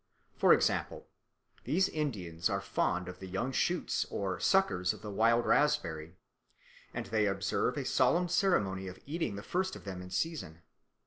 For example, these Indians are fond of the young shoots or suckers of the wild raspberry, and they observe a solemn ceremony at eating the first of them in season.